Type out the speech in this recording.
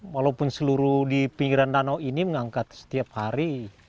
walaupun seluruh di pinggiran danau ini mengangkat setiap hari